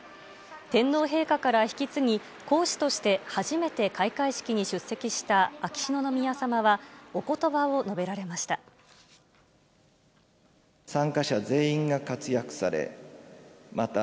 天皇陛下から引き継ぎ、皇嗣として初めて開会式に出席した秋篠宮さまは、おことばを述べられました。